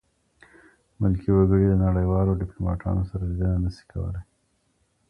ملکي وګړي د نړیوالو ډیپلوماټانو سره لیدنه نه سي کولای.